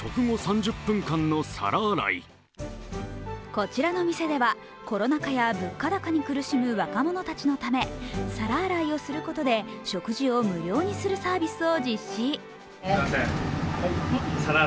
こちらの店では、コロナ禍や物価高に苦しむ若者たちのため、皿洗いをすることで食事を無料にするサービスを実施。